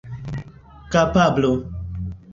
kapablo